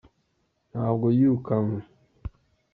Ntabwo yirukanywe